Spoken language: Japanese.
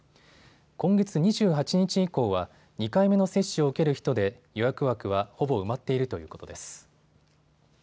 今月２８日以降は２回目の接種を受ける人で予約枠はほぼ埋まっているということです。